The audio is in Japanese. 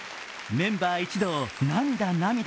メンバー一同、涙、涙。